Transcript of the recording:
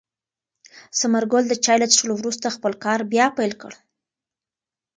ثمر ګل د چای له څښلو وروسته خپل کار بیا پیل کړ.